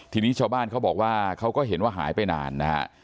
ทีนี้ชาวบ้านเขาบอกว่าเขาก็เห็นว่าหายไปนานนะฮะ